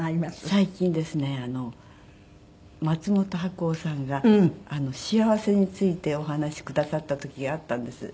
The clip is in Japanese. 最近ですね松本白鸚さんが幸せについてお話しくださった時があったんです。